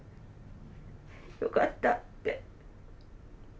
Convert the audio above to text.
よかったって。